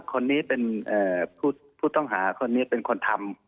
คนนี้เป็นผู้ต้องหาคนนี้เป็นคนทำ